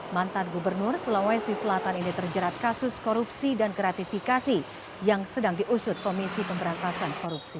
mantan gubernur sulawesi selatan ini terjerat kasus korupsi dan gratifikasi yang sedang diusut komisi pemberantasan korupsi